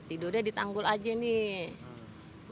tidurnya di tanggul aja nih